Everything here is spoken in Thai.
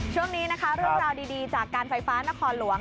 ช่วงนี้นะคะเรื่องราวดีจากการไฟฟ้านครหลวง